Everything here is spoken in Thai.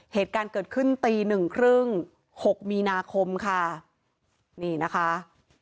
เหตุการณ์เกิดขึ้นตีหนึ่งครึ่งหกมีนาคมค่ะนี่นะคะ